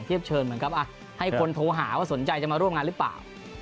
เชิญเหมือนกับให้คนโทรหาว่าสนใจจะมาร่วมงานหรือเปล่า